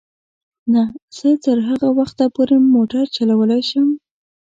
نه، زه تر هغه وخته پورې موټر چلولای شم.